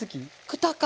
くたか。